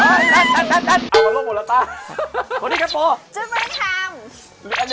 เอาได้ชิ้นเนอะ